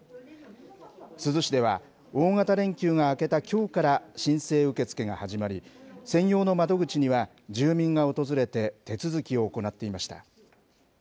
珠洲市では、大型連休が明けたきょうから申請受け付けが始まり、専用の窓口には、住民が訪れて手続きを行っていました。